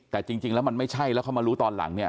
แต่จริงแล้วมันไม่ใช่แล้วเขามารู้ตอนหลังเนี่ย